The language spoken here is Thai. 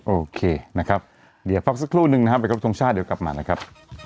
โอเคนะครับเดี๋ยวพักสักครู่นึงนะครับไปครบทรงชาติเดี๋ยวกลับมานะครับ